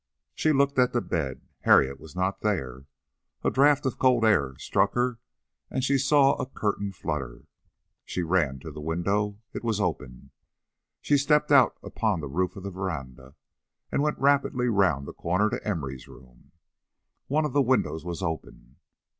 She looked at the bed. Harriet was not there. A draught of cold air struck her, and she saw a curtain flutter. She ran to the window. It was open. She stepped out upon the roof of the veranda, and went rapidly round the corner to Emory's room. One of the windows was open.